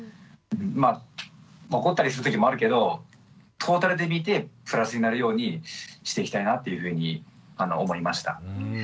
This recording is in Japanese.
まあ怒ったりするときもあるけどトータルで見てプラスになれるようにしていきたいなというふうに思いました。